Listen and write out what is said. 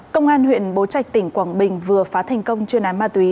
công an huyện bố trạch tỉnh quảng bình vừa phá thành công chuyên án ma túy